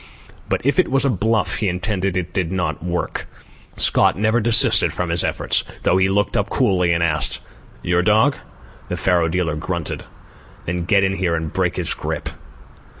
But if it was a bluff he intended, it did not work. Scott never desisted from his efforts, though he looked up coolly and asked: "Your dog?" The faro dealer grunted. "Then get in here and break this grip."